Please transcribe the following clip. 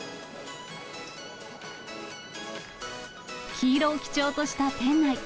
黄色を基調とした店内。